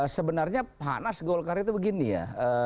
sebenarnya panas golkar itu begini ya